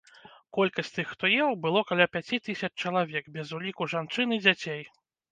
Колькасць тых, хто еў, было каля пяці тысяч чалавек, без уліку жанчын і дзяцей.